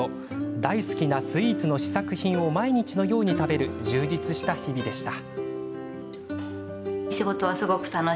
大好きなスイーツの試作品を毎日のように食べる充実した日々でした。